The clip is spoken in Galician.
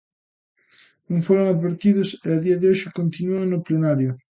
Non foron advertidos e a día de hoxe continúan no plenario.